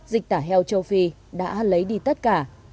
dịch tả heo châu phi đã lấy đi tất cả